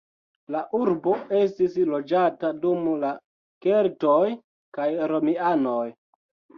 La urbo estis loĝata dum la keltoj kaj romianoj.